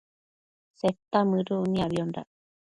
Seta mëduc niacbiondac